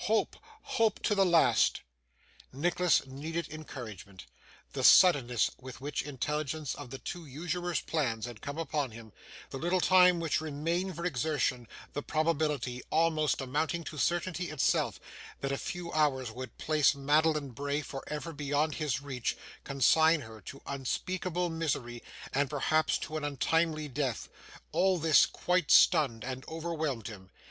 Hope, hope, to the last!' Nicholas needed encouragement. The suddenness with which intelligence of the two usurers' plans had come upon him, the little time which remained for exertion, the probability, almost amounting to certainty itself, that a few hours would place Madeline Bray for ever beyond his reach, consign her to unspeakable misery, and perhaps to an untimely death; all this quite stunned and overwhelmed him.